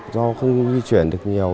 do không di chuyển được nhiều